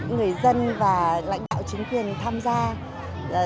người dân và lãnh đạo chính quyền tham gia